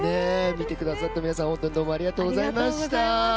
見てくださった皆さんどうもありがとうございました。